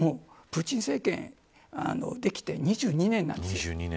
プーチン政権ができて２２年なんです。